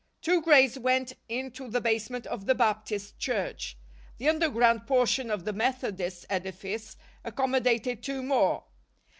Two grades went into the basement of the Baptist Church. The underground portion of the Methodist edifice accommodated two more.